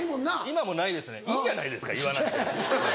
今もないですねいいじゃないですか言わなくて。